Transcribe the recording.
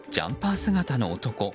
姿の男。